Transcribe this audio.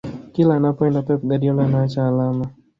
kila anapoenda pep guardiola anaacha alama